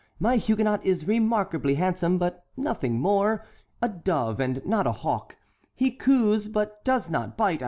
My Huguenot is remarkably handsome, but nothing more—a dove, and not a hawk; he coos, but does not bite.